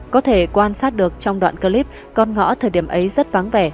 có thể quan sát được trong đoạn clip con ngõ thời điểm ấy rất vắng vẻ